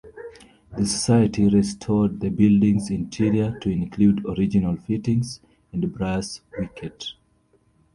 The society restored the building's interior to include original fittings and brass wicket.